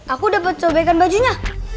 aku dapet sobekan bajunya